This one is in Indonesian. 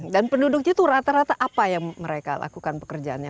dan penduduknya itu rata rata apa yang mereka lakukan pekerjaannya